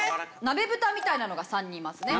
なべぶたみたいなのが３人いますね。